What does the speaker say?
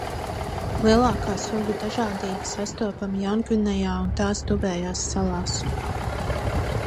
Lielākā sugu dažādība sastopama Jaungvinejā un tās tuvējās salās.